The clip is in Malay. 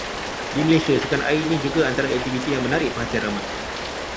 Di Malaysia sukan air ini juga antara aktiviti yang menarik perhatian ramai.